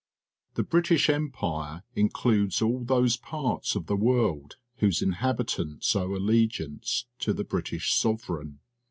— The British Empire includes all those parts of the world whose inhabitants owe allegiance to the British sovereign.